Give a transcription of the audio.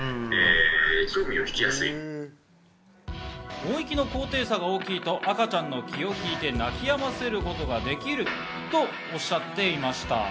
音域の高低差が大きいと、赤ちゃんの気を引いて泣き止ませることができるとおっしゃっていました。